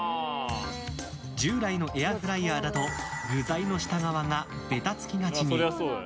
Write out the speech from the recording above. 従来のエアフライヤーだと具材の下側が、べたつきがちに。